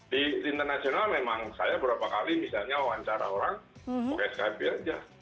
di internasional memang saya berapa kali misalnya wawancara orang pakai skb aja